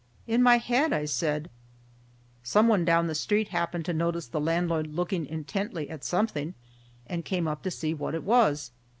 "In my head," I said. Some one down the street happened to notice the landlord looking intently at something and came up to see what it was.